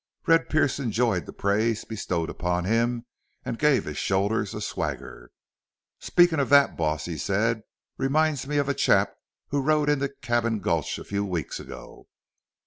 Red Pearce enjoyed the praise bestowed upon him and gave his shoulders a swagger. "Speakin' of that, boss," he said, "reminds me of a chap who rode into Cabin Gulch a few weeks ago.